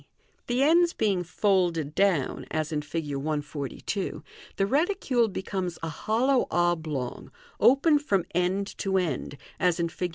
The ends being folded down, as in Fig. 142, the reti cule becomes a hollow oblong, open from end to end, as in Fig.